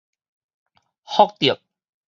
福德